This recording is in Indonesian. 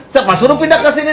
siapa suruh pindah ke sini